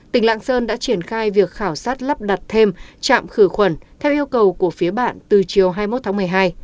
tỉnh lạng sơn đã triển khai việc khảo sát lắp đặt thêm trạm khử khuẩn theo yêu cầu của phía bạn từ chiều hai mươi một tháng một mươi hai